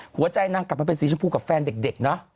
นางกลับมาเป็นสีชมพูกับแฟนเด็กเนอะ